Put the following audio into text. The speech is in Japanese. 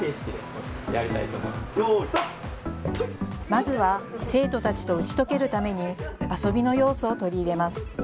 まずは生徒たちと打ち解けるために遊びの要素を取り入れます。